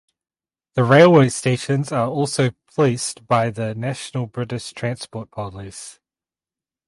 The railway stations are also policed by the national British Transport Police.